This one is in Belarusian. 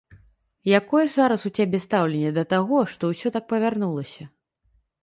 Якое зараз у цябе стаўленне да таго, што ўсё так павярнулася?